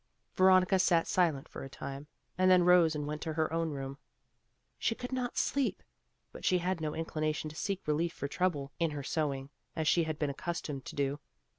Veronica sat silent for a time, and then rose and went to her own room. She could not sleep, but she had no inclination to seek relief for trouble in her sewing, as she had been accustomed to do.